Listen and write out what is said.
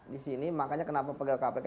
di sini makanya kenapa pegawai kpk